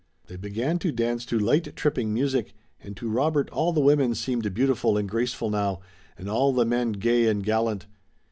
They began to dance to light, tripping music, and to Robert all the women seemed beautiful and graceful now, and all the men gay and gallant.